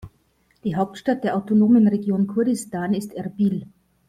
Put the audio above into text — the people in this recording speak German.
Die Hauptstadt der autonomen Region Kurdistan ist Erbil.